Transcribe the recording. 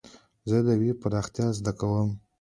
زه د ويب پراختيا زده کوم.